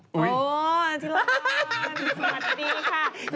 โอ้นาธิลานสวัสดีค่ะ